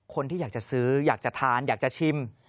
คนที่อยากจะซื้ออยากจะทานอยากจะชิม